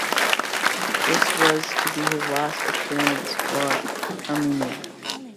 This was to be his last appearance for Arminia.